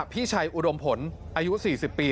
พี่ชัยอุดมผลอายุ๔๐ปี